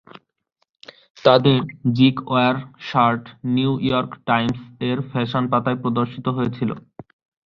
তাদের "জিকওয়্যার" shirt "New York Times" এর ফ্যাশন পাতায় প্রদর্শিত হয়েছিল।